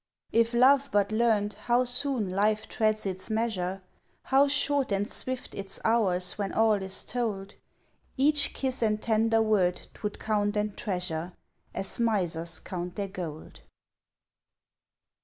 If love but learned how soon life treads its measure, How short and swift its hours when all is told, Each kiss and tender word 'twould count and treasure, As misers count their gold.